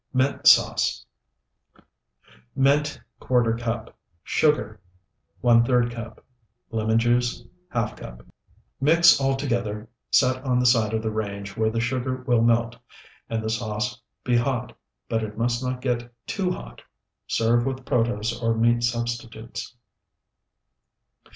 MINT SAUCE Mint, ¼ cup. Sugar, ⅓ cup. Lemon juice, ½ cup. Mix all together, set on the side of the range where the sugar will melt, and the sauce be hot, but it must not get too hot. Serve with protose or meat substitutes.